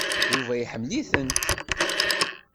Yuba iḥemmel-itent.